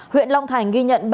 huyện long thành ghi nhận